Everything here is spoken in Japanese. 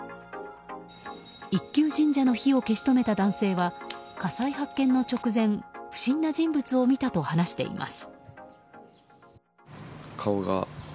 一宮神社の火を消し止めた男性は火災発見の直前不審な人物を見たと話しています。